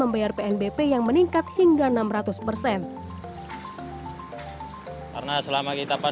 biar pnbp yang meningkat hingga enam ratus persen